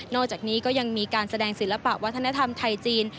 อกจากนี้ก็ยังมีการแสดงศิลปะวัฒนธรรมไทยจีน